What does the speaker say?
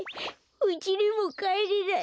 うちにもかえれない。